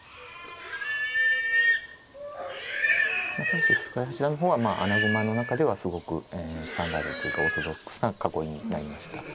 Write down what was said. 対して菅井八段の方はまあ穴熊の中ではすごくスタンダードというかオーソドックスな囲いになりました。